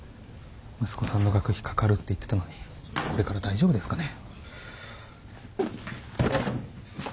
息子さんの学費かかるって言ってたのにこれから大丈夫ですかね？